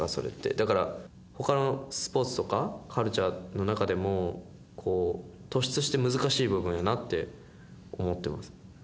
だからほかのスポーツとかカルチャーの中でも突出して難しい部分やなって思っています。